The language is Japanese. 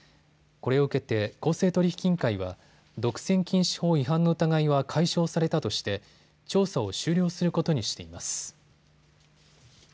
これを受けて公正取引委員会は独占禁止法違反の疑いは解消されたとして調査を終了することにしています。